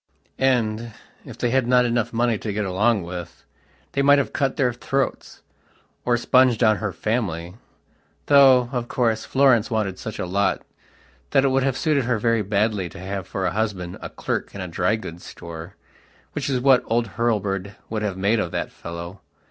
And, if they had not enough money to get along with, they might have cut their throats, or sponged on her family, though, of course, Florence wanted such a lot that it would have suited her very badly to have for a husband a clerk in a dry goods store, which was what old Hurlbird would have made of that fellow.